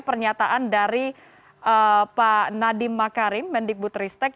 pernyataan dari pak nadiem makarim mendikbut ristek